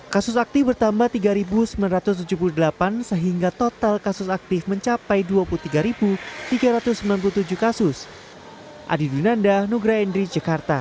kasus aktif bertambah tiga sembilan ratus tujuh puluh delapan sehingga total kasus aktif mencapai dua puluh tiga tiga ratus sembilan puluh tujuh kasus